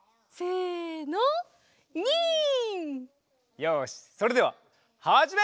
よしそれでははじめ！